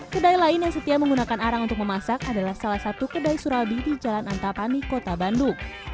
kedai lain yang setia menggunakan arang untuk memasak adalah salah satu kedai surabi di jalan antapani kota bandung